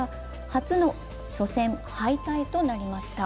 初の初戦敗退となりました。